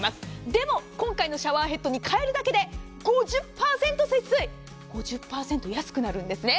でも、今回のシャワーヘッドに替えるだけで５０％節水５０％安くなるんですね。